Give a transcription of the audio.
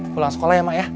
pulang sekolah ya ma ya